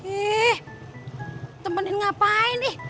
ih temenin ngapain ih